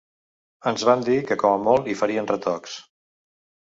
Ens van dir que, com a molt, hi farien retocs.